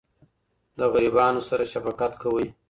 له غریبانو سره شفقت کوئ.